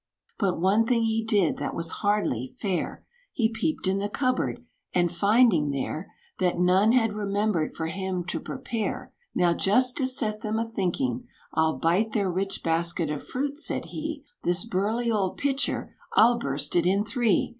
But one thing he did that was hardly fair He peeped in the cupboard, and, finding there That none had remembered for him to prepare, "Now, just to set them a thinking, I'll bite their rich basket of fruit," said he, "This burly old pitcher I'll burst it in three!